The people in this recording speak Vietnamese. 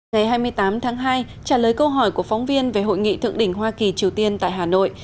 ngày hai mươi tám tháng hai trả lời câu hỏi của phóng viên về hội nghị thượng đỉnh hoa kỳ triều tiên tại hà nội